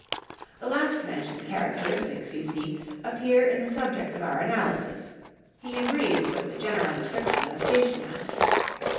The last mentioned characteristics, you see, appear in the subject of our analysis; he agrees with the general description of a stationmaster.